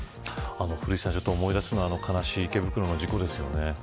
古市さん、思い出すのは悲しい池袋の事故ですよね。